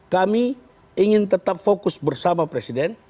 kami ingin tetap fokus bersama presiden